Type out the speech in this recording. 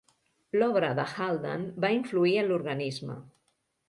L'obra de Haldane va influir en l'organisme.